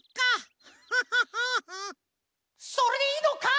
・それでいいのか！？